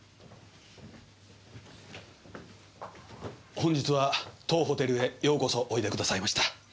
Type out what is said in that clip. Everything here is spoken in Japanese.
本日は当ホテルへようこそお出でくださいました。